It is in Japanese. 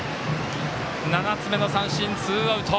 ７つ目の三振、ツーアウト。